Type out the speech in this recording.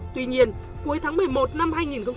tuy nhiên cuối tháng một mươi một năm hai nghìn một mươi tám